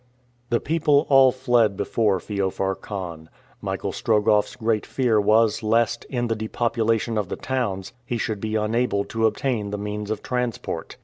The people all fled before Feofar Khan. Michael Strogoff's great fear was lest, in the depopulation of the towns, he should be unable to obtain the means of transport.